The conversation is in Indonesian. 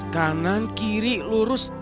kanan kiri lurus